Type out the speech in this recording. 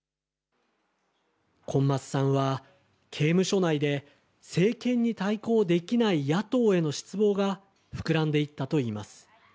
コン・マスさんは、刑務所内で、政権に対抗できない野党への失望が膨らんでいったといいます。